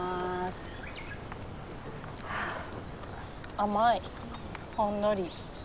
甘いほんのり。